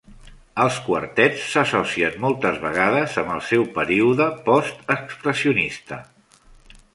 Els quartets s"associen moltes vegades amb el seu període "post-expressionista"